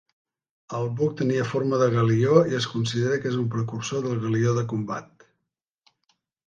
El buc tenia forma de galió i es considera que és un precursor del galió de combat.